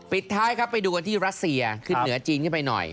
ปิดท้ายครับไปดูกันที่รัสเซียขึ้นเหนือจีนขึ้นไปหน่อย